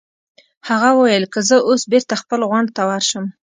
هغه وویل: که زه اوس بېرته خپل غونډ ته ورشم.